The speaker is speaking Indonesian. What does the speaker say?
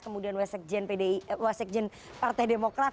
kemudian wesegjen partai demokrat